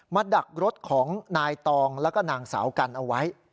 ดักรถของนายตองแล้วก็นางสาวกันเอาไว้